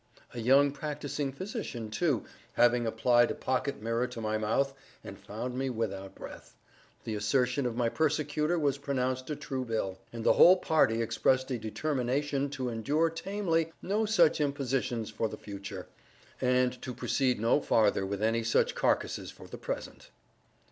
A young practising physician, too, having applied a pocket mirror to my mouth, and found me without breath, the assertion of my persecutor was pronounced a true bill; and the whole party expressed a determination to endure tamely no such impositions for the future, and to proceed no farther with any such carcasses for the present.